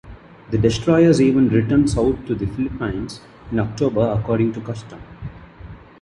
The destroyers even returned south to the Philippines in October according to custom.